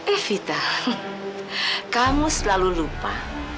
eh vita kamu selalu lupa